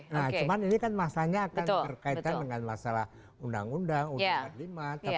nah cuman ini kan masalahnya akan berkaitan dengan masalah undang undang undang undang kelima